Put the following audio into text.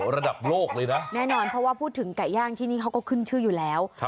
ระดับโลกเลยนะแน่นอนเพราะว่าพูดถึงไก่ย่างที่นี่เขาก็ขึ้นชื่ออยู่แล้ว